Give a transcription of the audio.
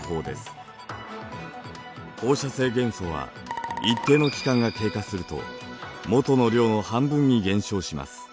放射性元素は一定の期間が経過すると元の量の半分に減少します。